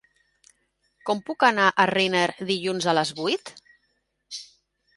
Com puc anar a Riner dilluns a les vuit?